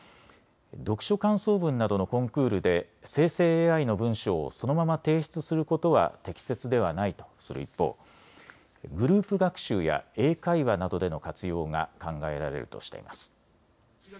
読書感想文などのコンクールで生成ＡＩの文章をそのまま提出することは適切ではないとする一方、グループ学習や英会話などでの活用が考えられるとしています。